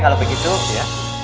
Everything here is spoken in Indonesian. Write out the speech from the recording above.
oke kalau begitu ya